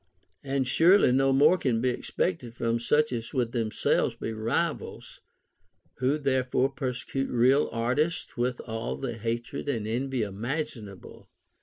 And surely no more can be . OF ALEXANDER THE GREAT. 493 expected from such as would themselves be rivals, who therefore persecute real artists with all the hatred and envy imaginable.